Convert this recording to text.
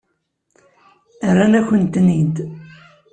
Rran-akent-ten-id?